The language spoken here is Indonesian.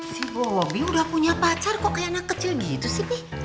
si bobi udah punya pacar kok kayak anak kecil gitu sih